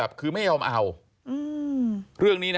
ขอบคุณครับและขอบคุณครับ